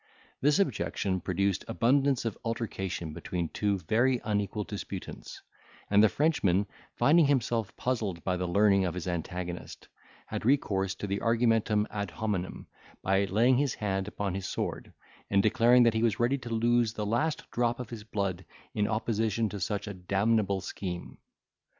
This objection produced abundance of altercation between two very unequal disputants; and the Frenchman, finding himself puzzled by the learning of his antagonist, had recourse to the argumentum ad hominem, by laying his hand upon his sword, and declaring that he was ready to lose the last drop of his blood in opposition to such a damnable scheme.